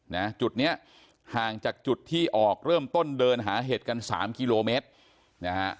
นะจุดเนี้ยห่างจากจุดที่ออกเริ่มต้นเดินหาเห็ดกันสามกิโลเมตรนะฮะ